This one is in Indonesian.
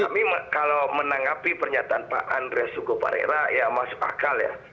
kami kalau menanggapi pernyataan pak andre sukoparera ya masuk akal ya